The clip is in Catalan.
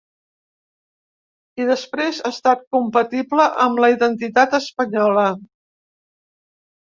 I després ha estat compatible amb la identitat espanyola.